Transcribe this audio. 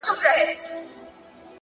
وخت د ژمنو رښتینولي ښکاره کوي.!